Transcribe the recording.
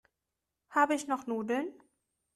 Habe ich noch Nudeln?